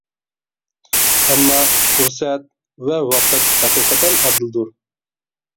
ئەمما پۇرسەت ۋە ۋاقىت ھەقىقەتەن ئادىلدۇر.